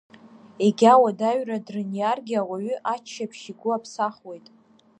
Егьа уадаҩра дрыниаргьы ауаҩы, аччаԥшь игәы аԥсахуеит.